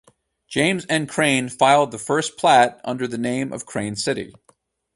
James M. Crain filed the first plat under the name of Crain City.